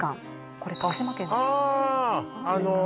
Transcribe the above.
これ徳島県ですああ！